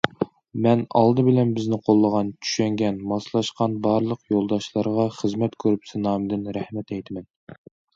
مەن ئالدى بىلەن بىزنى قوللىغان، چۈشەنگەن، ماسلاشقان بارلىق يولداشلارغا خىزمەت گۇرۇپپىسى نامىدىن رەھمەت ئېيتىمەن.